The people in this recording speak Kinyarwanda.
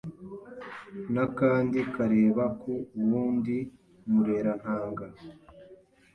n’akandi kareba ku wundi murerantanga